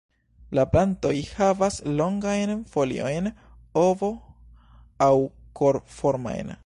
La plantoj havas longajn foliojn ovo- aŭ kor-formajn.